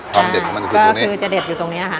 ความเด็ดของมันคือตัวนี้ก็คือจะเด็ดอยู่ตรงนี้อ่ะค่ะ